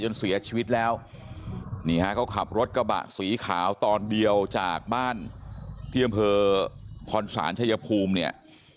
เสียชีวิตแล้วนี่ฮะเขาขับรถกระบะสีขาวตอนเดียวจากบ้านที่อำเภอคอนศาลชายภูมิเนี่ย